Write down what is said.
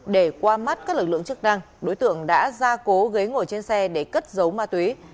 để qua mắt các lực lượng chức năng đối tượng đã ra cố ghế ngồi trên xe để cất giấu ma túy